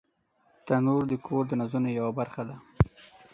تنور د کور د نازونو یوه برخه ده